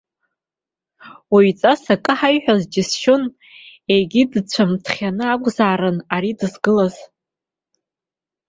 Уаҩҵас ак ҳаиҳәоз џьысшьон, егьи дцәамҭхьаны акәзаап ари дызгылаз.